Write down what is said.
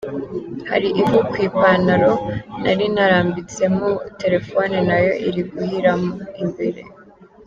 Hari ivu ku ipantalo nari narambitsemo, telefoni nayo iri guhiramo imbere.